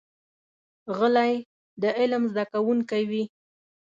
غلی، د علم زده کوونکی وي.